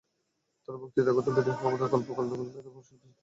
তাঁরা বক্তৃতা করতেন, বিদেশভ্রমণের গল্প বলতেন, আমরা শুনতে শুনতে ক্লান্ত হতাম।